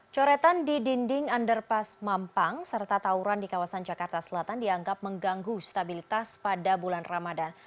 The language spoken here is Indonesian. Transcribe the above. coretan di dinding underpas mampang serta tauran di kawasan jakarta selatan dianggap mengganggu stabilitas pada bulan ramadan